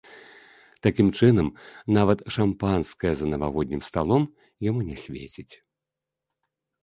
Такім чынам, нават шампанскае за навагоднім сталом яму не свеціць.